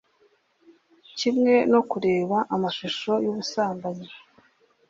kimwe no kureba amashusho y'ubusambanyi